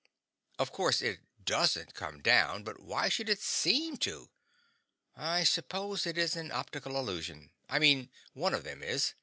Of course it DOESN'T come down, but why should it SEEM to? I suppose it is an optical illusion. I mean, one of them is.